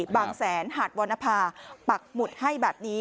บางแสนหาดวรรณภาปักหมุดให้แบบนี้